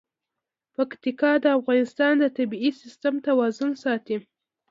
پکتیکا د افغانستان د طبعي سیسټم توازن ساتي.